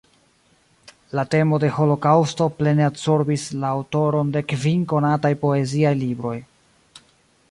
La temo de holokaŭsto plene absorbis la aŭtoron de kvin konataj poeziaj libroj.